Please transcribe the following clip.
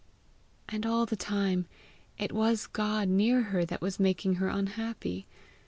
And all the time it was God near her that was making her unhappy.